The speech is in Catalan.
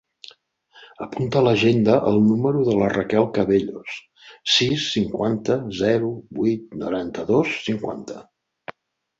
Apunta a l'agenda el número de la Raquel Cabellos: sis, cinquanta, zero, vuit, noranta-dos, cinquanta.